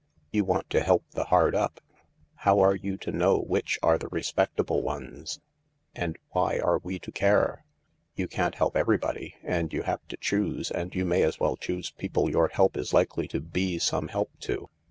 You want to help the hard up. How are you to know which are the respectable ones ?"" And why are we to care ?"" You can't help everybody, and you have to choose, and you may as well choose people your help is likely to be some help to."